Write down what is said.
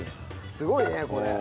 すごいねこれ。